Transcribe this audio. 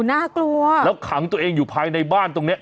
น่ากลัวแล้วขังตัวเองอยู่ภายในบ้านตรงเนี้ย